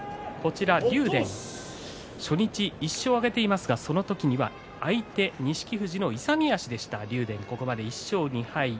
竜電、初日１勝を挙げていますがその時には相手、錦富士の勇み足でした竜電のここまで１勝２敗。